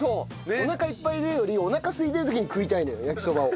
「お腹いっぱいで」よりお腹すいてる時に食いたいのよ焼きそばを。